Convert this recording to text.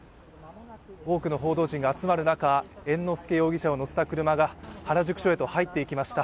多くの報道陣が集まる中、猿之助容疑者を乗せた車が原宿署へと入っていきました。